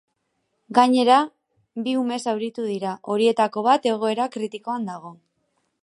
Gainera, bi ume zauritu dira, horietako bat egoera kritikoan dago.